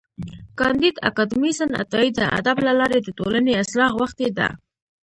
کانديد اکاډميسن عطایي د ادب له لارې د ټولني اصلاح غوښتې ده.